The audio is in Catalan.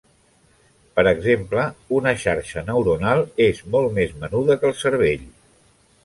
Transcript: Per exemple, una xarxa neuronal és molt més menuda que el cervell.